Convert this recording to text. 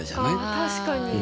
確かに。